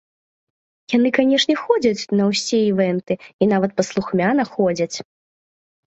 Яны, канечне, ходзяць на ўсе івэнты, і нават паслухмяна ходзяць!